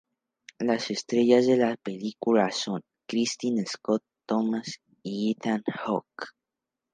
Las estrellas de la película son Kristin Scott Thomas y Ethan Hawke.